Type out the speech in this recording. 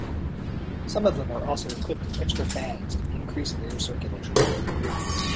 Some of them are also equipped with extra fans to increase air circulation.